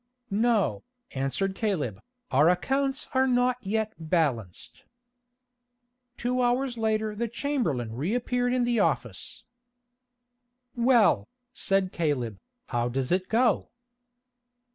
"No," answered Caleb, "our accounts are not yet balanced." Two hours later the chamberlain reappeared in the office. "Well," said Caleb, "how does it go?"